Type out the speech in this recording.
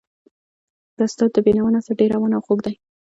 د استاد د بینوا نثر ډېر روان او خوږ دی.